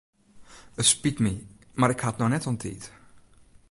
It spyt my mar ik ha it no net oan tiid.